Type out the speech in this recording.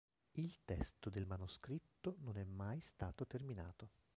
Il testo del manoscritto non è mai stato terminato.